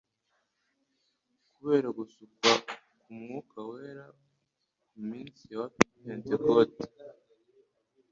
Kubera gusukwa k'Umwuka wera ku munsi wa Pentekoti